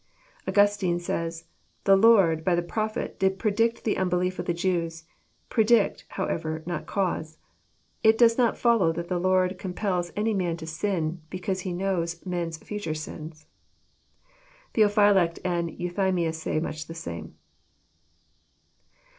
Augustine says :The Lord, by the prophet, did predict the unbelief of the Jews, — predict, however, not cause. It does hot follow that the Lord compels any man to sin, because He knows men's future sins." Theophylact and Euthymius say much the same.